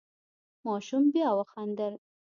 ماشوم بیا وخندل.